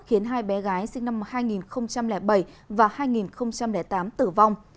khiến hai bé gái sinh năm hai nghìn bảy và hai nghìn tám tử vong